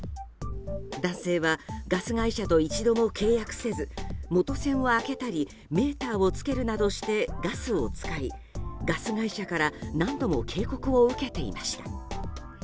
男性はガス会社と一度も契約せず元栓を開けたりメーターを付けるなどしてガスを使い、ガス会社から何度も警告を受けていました。